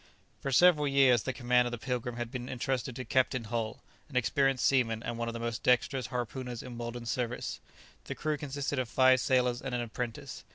For several years the command of the "Pilgrim" had been entrusted to Captain Hull, an experienced seaman, and one of the most dexterous harpooners in Weldon's service. The crew consisted of five sailors and an apprentice.